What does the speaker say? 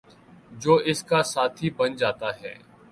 جو اس کا ساتھی بن جاتا ہے